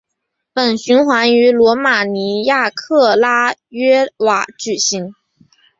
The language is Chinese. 本循环于罗马尼亚克拉约瓦举行。